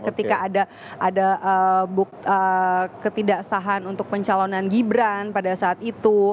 ketika ada ketidaksahan untuk pencalonan gibran pada saat itu